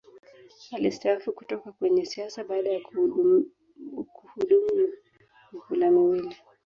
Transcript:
Alistaafu kutoka kwenye siasa baada ya kuhudumu mihula miwili